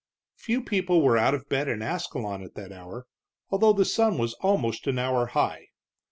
Few people were out of bed in Ascalon at that hour, although the sun was almost an hour high.